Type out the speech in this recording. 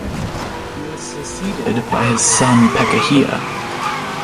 He was succeeded by his son Pekahiah.